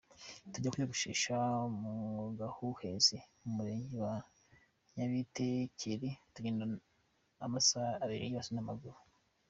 Tujya kwiyogoshesha mu Gahuhezi mu murenge wa Nyabitekeri tugenda amasaha abiri yose n’amaguru.